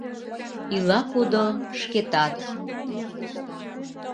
Ила кудо шкетат.